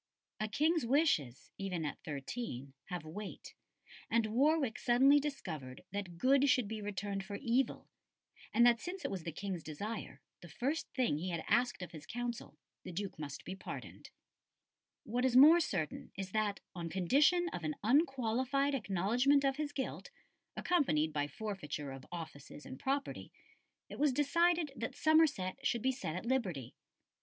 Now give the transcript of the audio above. A King's wishes, even at thirteen, have weight, and Warwick suddenly discovered that good should be returned for evil; and that since it was the King's desire, and the first thing he had asked of his Council, the Duke must be pardoned. [Illustration: From a photo by W. Mansell & Co. after a painting by Holbein. EDWARD VI.] What is more certain is that, on condition of an unqualified acknowledgment of his guilt, accompanied by forfeiture of offices and property, it was decided that Somerset should be set at liberty.